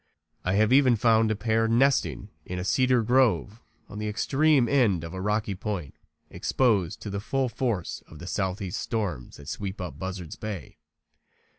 I have even found a pair nesting in a cedar grove on the extreme end of a rocky point exposed to the full force of the southeast storms that sweep up Buzzard's bay.